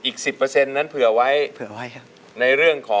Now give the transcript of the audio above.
๙๐อีก๑๐นั้นเผื่อไว้